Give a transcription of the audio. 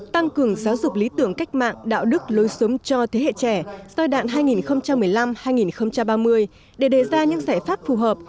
tăng cường giáo dục lý tưởng cách mạng đạo đức lối sống cho thế hệ trẻ giai đoạn hai nghìn một mươi năm hai nghìn ba mươi để đề ra những giải pháp phù hợp